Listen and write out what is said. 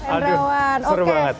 aduh seru banget